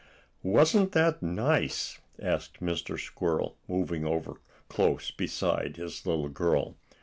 "Wasn't that nice?" asked Mr. Squirrel, moving over close beside his little girl.